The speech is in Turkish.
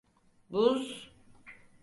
Buz…